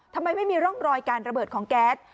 ทำไมไม่มีร่องรอยการระเบิดของแก๊ส